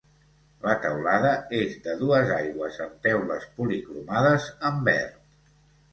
La teulada és de dues aigües amb teules policromades amb verd.